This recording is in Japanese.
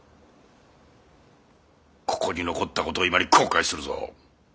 ここに残った事を今に後悔するぞ。